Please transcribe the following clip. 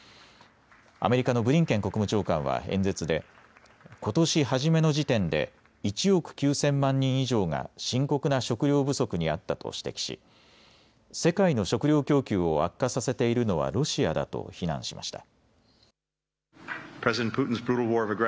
アメリカのブリンケン国務長官は演説でことし初めの時点で１億９０００万人以上が深刻な食料不足にあったと指摘し世界の食料供給を悪化させているのはロシアだと非難しました。